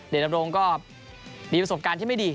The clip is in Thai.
ดำรงก็มีประสบการณ์ที่ไม่ดี